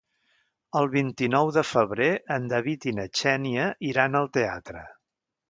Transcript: El vint-i-nou de febrer en David i na Xènia iran al teatre.